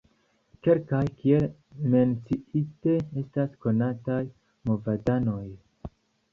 Kelkaj, kiel menciite, estas konataj movadanoj.